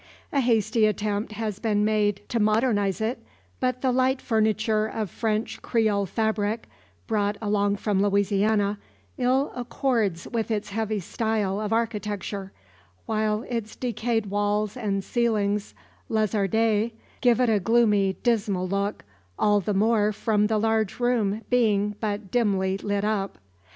A hasty attempt has been made to modernise it; but the light furniture of French Creole fabric, brought along from Louisiana, ill accords with its heavy style of architecture, while its decayed walls and ceilings lezardee, give it a gloomy dismal look, all the more from the large room being but dimly lit up.